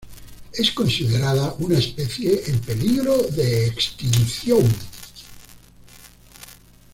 Es considerada una especie en peligro de extinción.